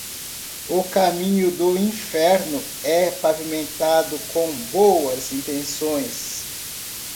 O caminho do inferno é pavimentado com boas intenções.